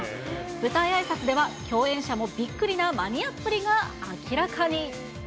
舞台あいさつでは、共演者もびっくりなマニアっぷりが明らかに。